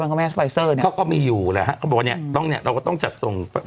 เขาก็มีอยู่เราก็ต้องจัดส่ง